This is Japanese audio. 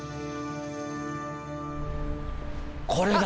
これだ。